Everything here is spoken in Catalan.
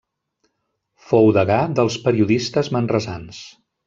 Fou degà dels periodistes manresans.